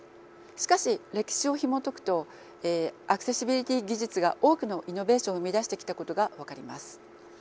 しかし歴史をひもとくとアクセシビリティ技術が多くのイノベーションを生み出してきたことが分かります。